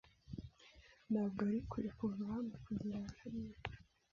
Ntabwo ari kure kuva hano kugera hariya.